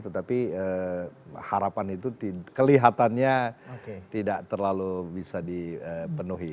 tetapi harapan itu kelihatannya tidak terlalu bisa dipenuhi